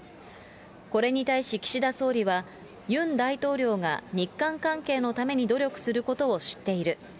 これに対し、岸田総理は、ユン大統領が日韓関係のために努力することを知っている。